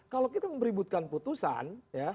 kalau kita membeributkan putusan